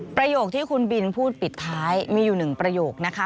ประโยคที่คุณบินพูดปิดท้ายมีอยู่หนึ่งประโยคนะคะ